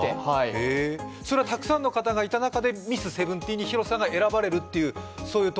それはたくさんの方がいた中でミスセブンティーンに広瀬さんが選ばれるという？